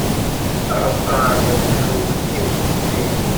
Aṭṭan n lḥubb d timqestin.